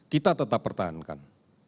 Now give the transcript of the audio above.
kita tetap pertahankan